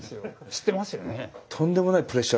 知ってますよね？